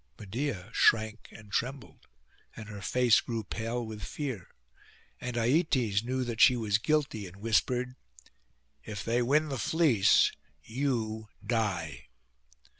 Medeia shrank and trembled, and her face grew pale with fear; and Aietes knew that she was guilty, and whispered, 'If they win the fleece, you die!